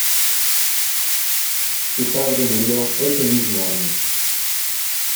Su padre murió ese mismo año.